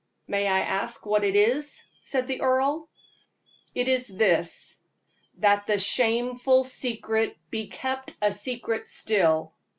"May I ask what it is?" said the earl. "It is this that the shameful secret be kept a secret still.